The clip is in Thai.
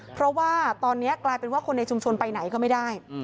เพราะว่าตอนนี้กลายเป็นว่าคนในชุมชนไปไหนก็ไม่ได้